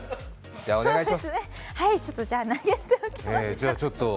ちょっと投げときますか？